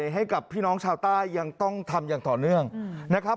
ให้กับพี่น้องชาวใต้ยังต้องทำอย่างต่อเนื่องนะครับ